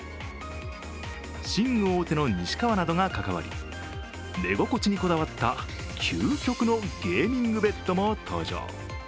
寝具大手の西川などが関わり寝心地にこだわった究極のゲーミングベッドも登場。